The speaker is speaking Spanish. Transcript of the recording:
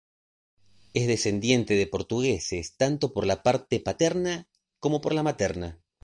Es descendiente de portugueses tanto por la parte paterna como por la materna.